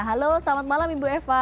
halo selamat malam ibu eva